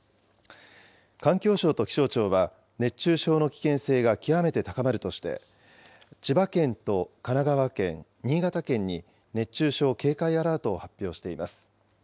環境省と気象庁は熱中症の危険性が極めて高まるとして、千葉県と神奈川県、新潟県に熱中症警戒アラートを発表しています。